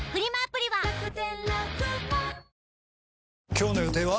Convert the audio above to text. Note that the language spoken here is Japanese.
今日の予定は？